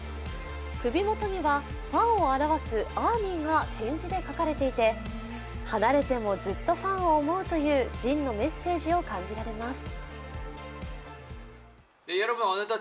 首元にはファンを表すＡＲＭＹが点字で書かれていて離れてもずっとファンを思うというＪＩＮのメッセージを感じられます。